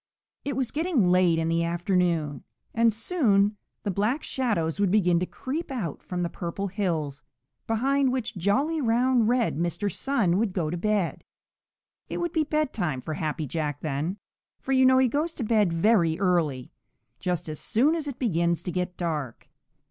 It was getting late in the afternoon, and soon the Black Shadows would begin to creep out from the Purple Hills, behind which jolly, round, red Mr. Sun would go to bed. It would be bedtime for Happy Jack then, for you know he goes to bed very early, just as soon as it begins to get dark.